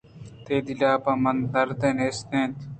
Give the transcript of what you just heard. تئی دل ءَ پہ من درد نیست اِنت